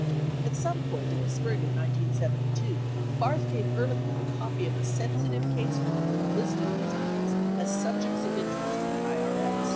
At some point in the spring of 1972, Barth gave Ehrlich man a copy of a sensitive case report listing these names as subjects of interest to the IRS.